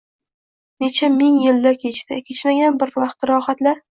Necha ming yil-da kechdi, kechmagan bir vaqti rohat-la